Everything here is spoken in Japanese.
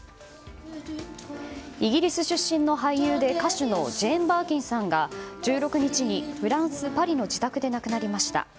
イギリス出身の俳優で歌手のジェーン・バーキンさんが１６日に、フランス・パリの自宅で亡くなりました。